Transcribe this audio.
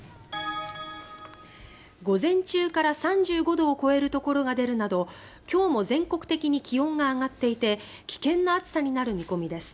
午前中から３５度を超えるところが出るなど今日も全国的に気温が上がっていて危険な暑さになる見込みです。